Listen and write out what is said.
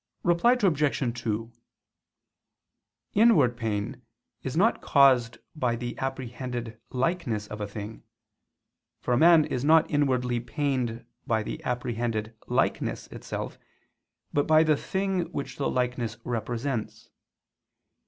Reply Obj. 2: Inward pain is not caused by the apprehended likeness of a thing: for a man is not inwardly pained by the apprehended likeness itself, but by the thing which the likeness represents.